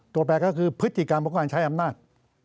แปลก็คือพฤติกรรมของการใช้อำนาจ